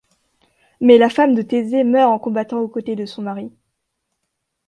Mais la femme de Thésée meurt en combattant aux côtés de son mari.